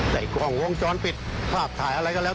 กล้องวงจรปิดภาพถ่ายอะไรก็แล้ว